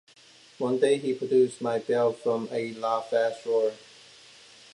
One day he produced my belt from a lockfast drawer.